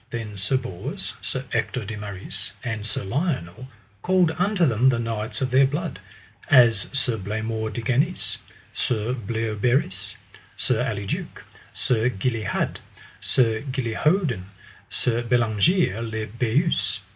Then Sir Bors, Sir Ector de Maris, and Sir Lionel called unto them the knights of their blood, as Sir Blamore de Ganis, Sir Bleoberis, Sir Aliduke, Sir Galihud, Sir Galihodin, Sir Bellangere le Beuse.